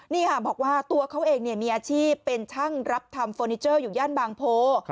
นี่ค่ะบอกว่าตัวเขาเองมีอาชีพเป็นช่างรับทำเฟอร์นิเจอร์อยู่ย่านบางโพ